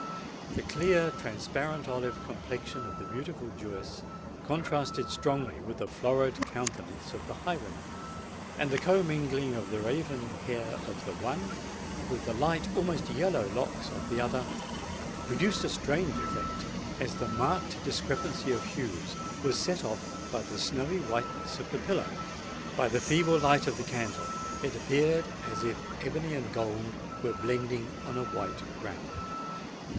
The clear, transparent olive complexion of the beautiful Jewess contrasted strongly with the florid countenance of the highwayman; and the commingling of the raven hair of the one with the light, almost yellow locks of the other, produced a strange effect, as the marked discrepancy of hues was set off by the snowy whiteness of the pillow. By the feeble light of the candle, it appeared as if ebony and gold were blending on a white ground.